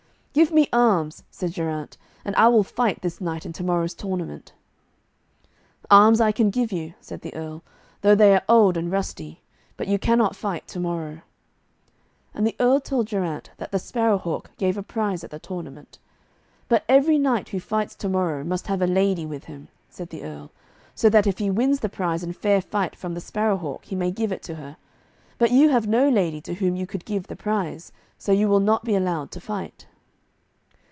'Give me arms,' said Geraint, 'and I will fight this knight in to morrow's tournament.' 'Arms I can give you,' said the Earl, 'though they are old and rusty; but you cannot fight to morrow.' And the Earl told Geraint that the Sparrow hawk gave a prize at the tournament. 'But every knight who fights to morrow must have a lady with him,' said the Earl, 'so that if he wins the prize in fair fight from the Sparrow hawk, he may give it to her. But you have no lady to whom you could give the prize, so you will not be allowed to fight.'